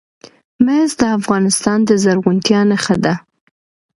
مس د افغانستان د زرغونتیا نښه ده.